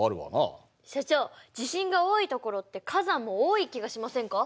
所長地震が多いところって火山も多い気がしませんか？